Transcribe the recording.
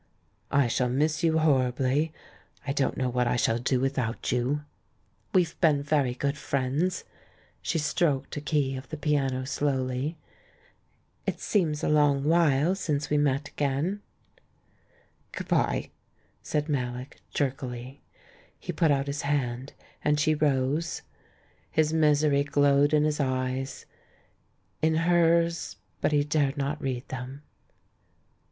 "I shall miss you horribly. I don't know what I shall do without you." "We've been very good friends." She stroked a key of the piano slowly. "It seems a long while since we met again." THE BACK OF BOHEMIA 305 "Good bye!" said Mallock, jerkily. He put out his hand, and she rose. His misery glowed in his eves. In hers — but he dared not read them.